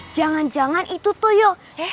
jangan jangan itu tuh yo sun is fail